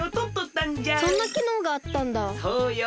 そうよ。